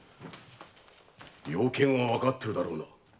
用件はわかってるだろうな。